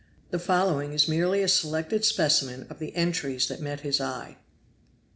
The following is merely a selected specimen of the entries that met his eye: MR.